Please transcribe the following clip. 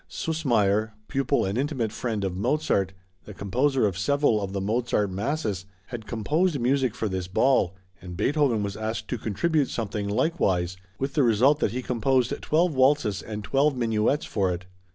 Süsmayer, pupil and intimate friend of Mozart, the composer of several of the "Mozart Masses," had composed music for this ball and Beethoven was asked to contribute something likewise, with the result that he composed twelve waltzes and twelve minuets for it.